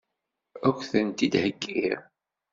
Ad k-tent-id-heggiɣ?